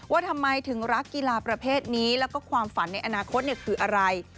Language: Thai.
ว่าทำไมถึงรักกีฬาประเภทนี้แล้วก็ความฝันในอนาคตคืออะไร